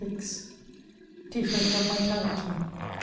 DEFECT OF MY CHASACTER.